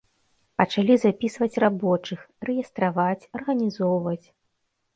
Пачалі запісваць рабочых, рэестраваць, арганізоўваць.